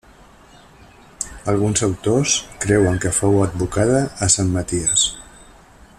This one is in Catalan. Alguns autors creuen que fou advocada a Sant Maties.